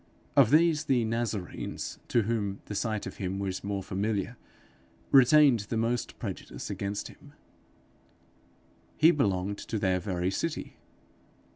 Of these the Nazarenes, to whom the sight of him was more familiar, retained the most prejudice against him: he belonged to their very city!